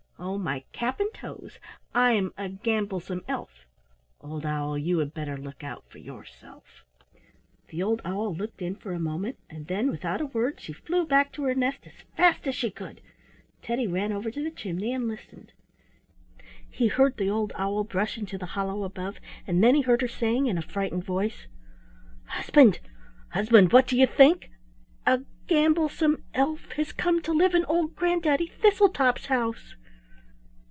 Oh, my cap and toes! I'm a gamblesome elf. Old owl, you had better look out for yourself." The old owl looked in for a moment, and then without a word she flew back to her nest as fast as she could. Teddy ran over to the chimney and listened. He heard the old owl brush into the hollow above, and then he heard her saying in a frightened voice: "Husband, husband, what do you think! A gamblesome elf has come to live in old Granddaddy Thistletop's house."